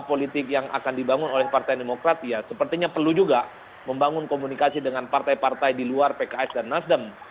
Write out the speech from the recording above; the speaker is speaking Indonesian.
politik yang akan dibangun oleh partai demokrat ya sepertinya perlu juga membangun komunikasi dengan partai partai di luar pks dan nasdem